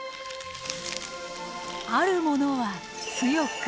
あるものは強く。